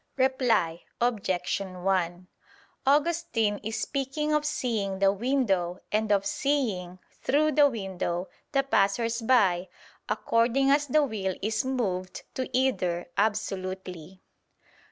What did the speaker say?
Reply Obj. 1: Augustine is speaking of seeing the window and of seeing, through the window, the passersby, according as the will is moved to either absolutely.